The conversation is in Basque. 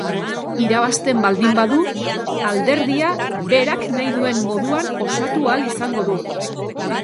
Irabazten baldin badu, alderdia berak nahi duen moduan osatu ahal izango du.